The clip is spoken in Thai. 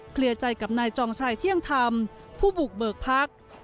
เคลียร์ใจกับนายจองชัยเที่ยงธรรมผู้บุกเบิกพัก